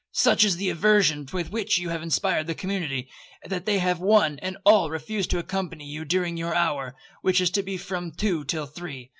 Such is the aversion with which you have inspired the community, that they have one and all refused to accompany you during your hour, which is to be from two till three.